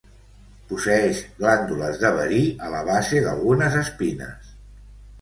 Posseeix glàndules de verí a la base d'algunes espines.